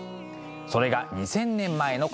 それが２，０００年前のこと。